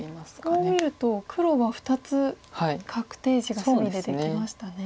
こう見ると黒は２つ確定地が隅でできましたね。